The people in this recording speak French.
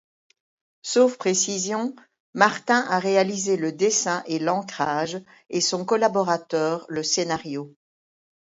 Sauf précision, Martin a réalisé le dessin et l'encrage et son collaborateur le scénario.